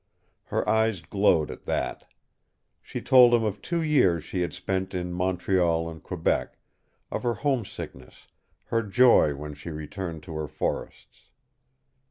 Her eyes glowed at that. She told him of two years she had spent in Montreal and Quebec, of her homesickness, her joy when she returned to her forests.